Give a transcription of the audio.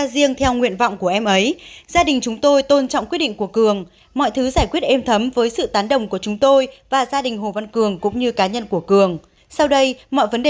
xin chào và hẹn gặp lại